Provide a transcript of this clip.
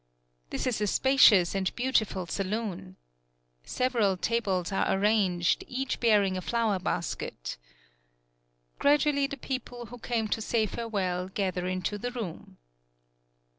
This is a spacious and beautiful saloon. Several tables are arranged, each bear ing a flower basket. ... Gradually the people who came to say farewell gather into the room.